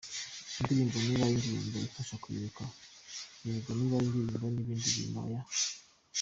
Indirimbo niba ari indirimbo ifasha kwibuka yego, niba ari indirimbo y’ibindi bintu oya.